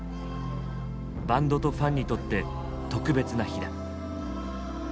バンドとファンにとって特別な日だ。